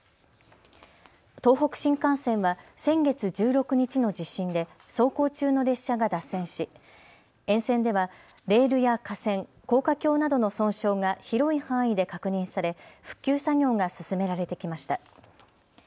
東北新幹線は先月１６日の地震で走行中の列車が脱線し沿線ではレールや架線、高架橋などの損傷が広い範囲で確認され復旧作業が進められてきました。